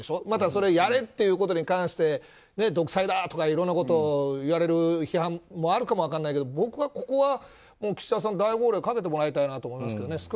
また、それをやれということに関して独裁だ！などといろんなことを言われる批判もあるかも分からないけど僕はここは岸田さんに大号令をかけてもらいたいなと思いますけどね。